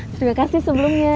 terima kasih sebelumnya